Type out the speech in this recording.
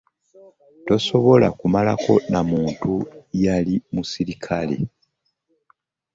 Tosobola kumalako na muntu yaliko musirikale.